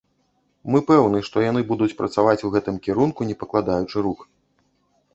Мы пэўны, што яны будуць працаваць у гэтым кірунку не пакладаючы рук.